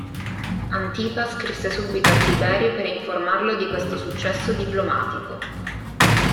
Antipa scrisse subito a Tiberio per informarlo di questo successo diplomatico.